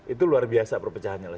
itu luar biasa perpecahannya lah